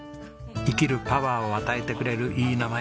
生きるパワーを与えてくれるいい名前じゃないですか。